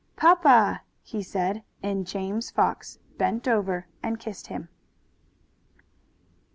"Papa!" he said, and James Fox bent over and kissed him.